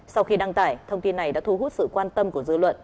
sau khi đăng tải thông tin này đã thu hút sự quan tâm của dư luận